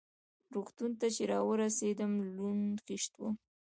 روغتون ته چې را ورسېدم لوند خېشت وم.